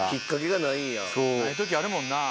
ない時あるもんな。